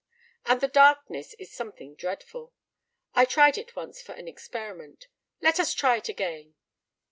"And the darkness is something dreadful. I tried it once for an experiment. Let us try it again!"